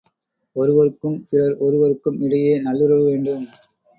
ஒருவருக்கும், பிறர் ஒருவருக்கும் இடையே நல்லுறவு வேண்டும்.